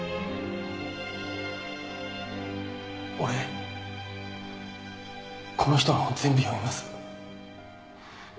俺この人の本全部読みます。